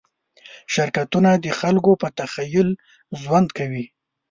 شرکتونه د خلکو په تخیل ژوند کوي.